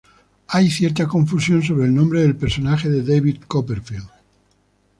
Hay cierta confusión sobre el nombre del personaje de David Copperfield.